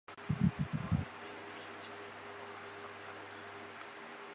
康拉德布吕歇尔测量与科学研究所是一个致力于地理空间科学的研究所。